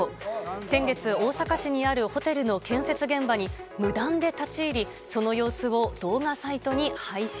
先月、大阪市にあるホテルの建設現場に無断で立ち入り、その様子を動画サイトに配信。